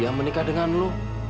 nih gue mau nikah dengan lu